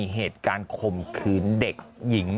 เหตุการณ์ข่มขืนเด็กหญิง